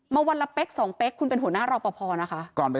วันละเป๊ก๒เป๊กคุณเป็นหัวหน้ารอปภนะคะ